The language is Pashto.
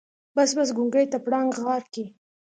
بس بس ګونګي ته پړانګ غار کې.